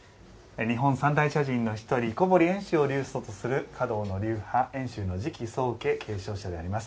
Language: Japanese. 日本三大茶人の小堀遠州を流祖とする華道の流派、遠州の次期宗家継承者でもあります